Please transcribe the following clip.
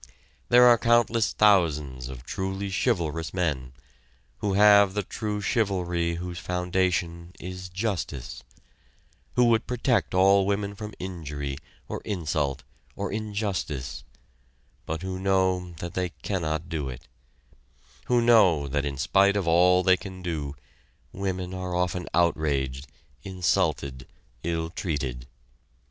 There are countless thousands of truly chivalrous men, who have the true chivalry whose foundation is justice who would protect all women from injury or insult or injustice, but who know that they cannot do it who know that in spite of all they can do, women are often outraged, insulted, ill treated.